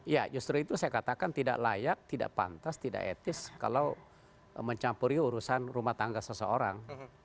ya justru itu saya katakan tidak layak tidak pantas tidak etis kalau mencampuri urusan rumah tangga seseorang